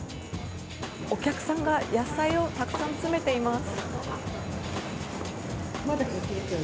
お客さんが野菜をたくさん詰めています。